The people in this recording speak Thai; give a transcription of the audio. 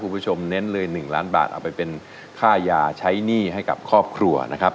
เน้นเลย๑ล้านบาทเอาไปเป็นค่ายาใช้หนี้ให้กับครอบครัวนะครับ